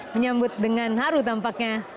menyambut dengan haru tampaknya